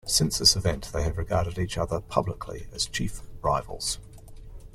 Since this event, they have regarded each other publicly as chief rivals.